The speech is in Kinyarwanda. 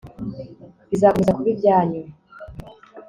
bizakomeza kuba ibyanyu